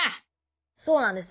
そうなんです。